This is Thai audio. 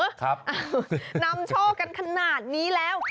ครับนำโชคกันขนาดนี้แล้ว